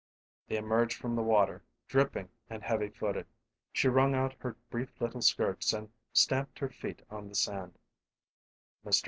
They emerged from the water, dripping and heavy footed. She wrung out her brief little skirts and stamped her feet on the sand.